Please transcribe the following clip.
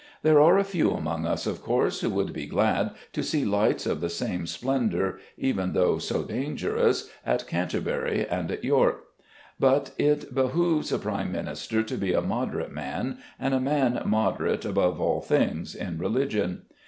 There are a few among us of course who would be glad to see lights of the same splendour, even though so dangerous, at Canterbury and at York; but it behoves a Prime Minister to be a moderate man, and a man moderate, above all things, in religion.